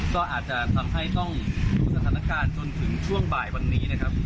ก็อาจจะทำให้ต้องดูสถานการณ์จนถึงช่วงบ่ายวันนี้นะครับ